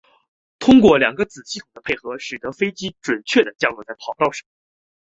通过两个子系统的配合使得飞机准确降落在跑道上。